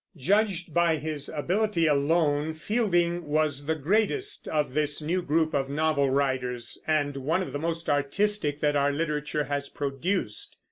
Judged by his ability alone, Fielding was the greatest of this new group of novel writers, and one of the most artistic that our literature has produced.